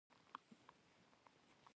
آیا موږ د زده کړې حق نلرو؟